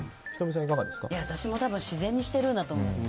私も自然にしてるんだと思う。